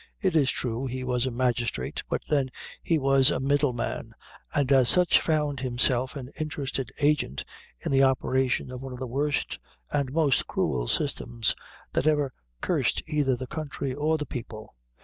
It is true he was a magistrate, but then he was a middleman, and as such found himself an interested agent in the operation of one of the worst and most cruel systems that ever cursed either the country or the people.